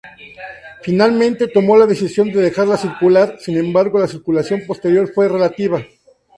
Finalmente tomó la decisión de dejarla circular, sin embargo, la circulación posterior fue relativa.